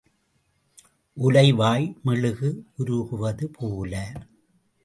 உலை வாய் மெழுகு உருகுவது போல.